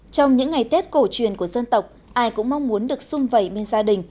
trong những ngày tết cổ truyền của dân tộc ai cũng mong muốn được xung vầy bên gia đình